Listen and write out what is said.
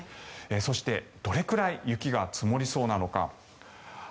そして、どれくらい雪が積もりそうなのか。